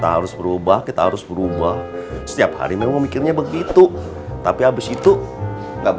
harus berubah kita harus berubah setiap hari memang mikirnya begitu tapi habis itu enggak